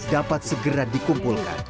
dapat segera dikumpulkan